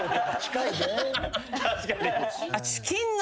確かに。